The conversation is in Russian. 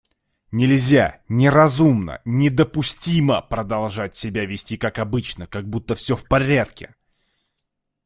Нельзя, неразумно недопустимо продолжать вести себя как обычно, как будто все в порядке.